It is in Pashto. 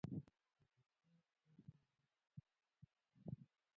د جګړې پایله یوازې تباهي ده.